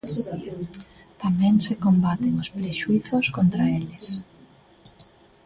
Tamén se combaten os prexuízos contra eles.